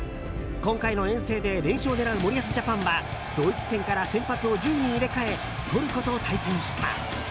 今回の遠征での連勝を狙う森保ジャパンはドイツ戦から先発を１０人入れ替えトルコと対戦した。